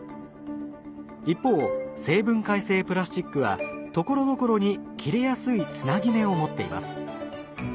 一方生分解性プラスチックはところどころに切れやすいつなぎ目を持っています。